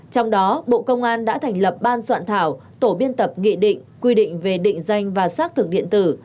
trong đó bộ công an đã thành lập ban soạn thảo tổ biên tập nghị định quy định về định danh và xác thực điện tử